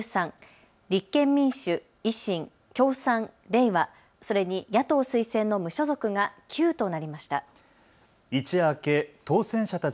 立憲民主、維新、共産、れいわ、それに野党推薦の無所属が９となりました。